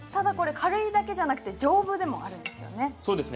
軽いだけじゃなく丈夫でもあるんですね。